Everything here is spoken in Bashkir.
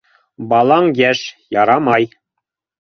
Балаң йәш - ярамай!